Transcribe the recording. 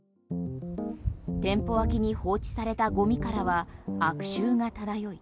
店舗脇に放置されたゴミからは悪臭が漂い